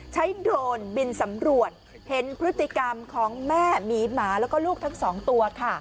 โดรนบินสำรวจเห็นพฤติกรรมของแม่หมีหมาแล้วก็ลูกทั้งสองตัวค่ะ